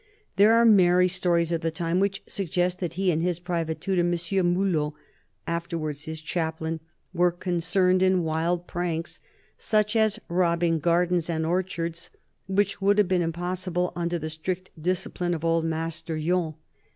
There are merry stories of the time which suggest that he and his private tutor M. Mulot, afterwards his chaplain, were concerned in wild pranks, such as robbing gardens and orchards, which would have been impossible under the strict discipline of old Master Yon.